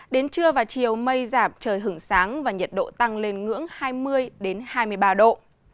đến trưa và chiều mây giảm trời hứng sáng và nhiệt độ tăng lên ngưỡng hai mươi hai mươi ba độ